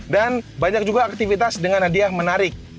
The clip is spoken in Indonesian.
dan banyak juga aktivitas dengan hadiah menarik